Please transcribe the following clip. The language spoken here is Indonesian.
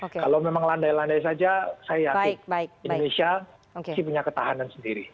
kalau memang landai landai saja saya yakin indonesia masih punya ketahanan sendiri